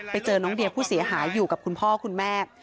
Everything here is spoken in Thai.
ไปเจอน้องเดียผู้เสียหายอยู่กับคุณพ่อคุณแม่